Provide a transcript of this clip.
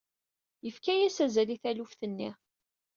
Yefka-yas azal i taluft-nni.